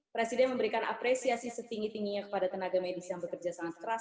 presiden memberikan apresiasi setinggi tingginya kepada tenaga medis yang bekerja sangat keras